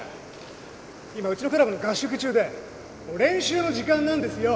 今うちのクラブの合宿中でもう練習の時間なんですよ！